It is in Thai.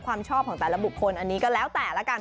ความชอบของแต่ละบุคคลอันนี้ก็แล้วแต่ละกัน